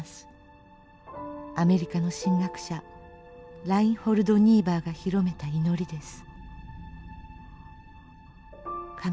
アメリカの神学者ラインホルド・ニーバーが広めた祈りです。